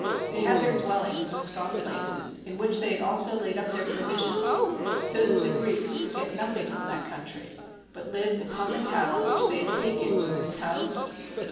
They had their dwellings in strong places, in which they had also laid up their provisions, so that the Greeks could get nothing from that country, but lived upon the cattle which they had taken from the Taochi.